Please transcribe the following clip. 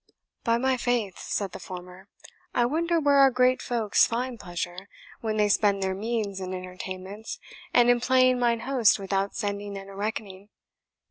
"By my faith," said the former, "I wonder where our great folks find pleasure, when they spend their means in entertainments, and in playing mine host without sending in a reckoning.